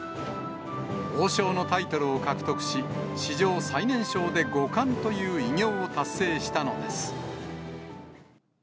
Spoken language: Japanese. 王将のタイトルを獲得し、史上最年少で五冠という偉業を達成したのです。